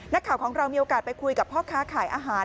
นักข่าวของเรามีโอกาสไปคุยกับพ่อค้าขายอาหาร